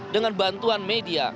dengan bantuan media